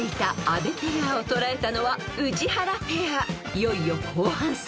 ［いよいよ後半戦。